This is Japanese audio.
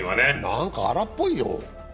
何か荒っぽいよ。